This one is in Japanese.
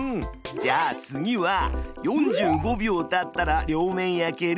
じゃあ次は「４５秒たったら両面焼ける。